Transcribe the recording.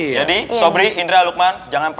jadi sobri idra lukman